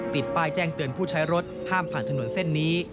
ติดป้ายแจ้งเตือนผู้ใช้รถห้ามผ่านถนนเส้นนี้